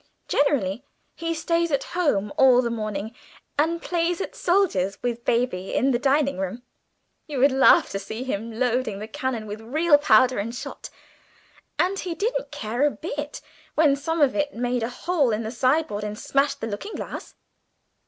Generally he stays at home all the morning and plays at soldiers with baby in the dining room. You would laugh to see him loading the cannons with real powder and shot, and he didn't care a bit when some of it made holes in the sideboard and smashed the looking glass.